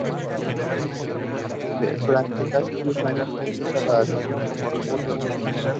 Durante casi diez años utilizará la acción como recurso artístico.